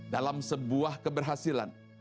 dalam sebuah keberhasilan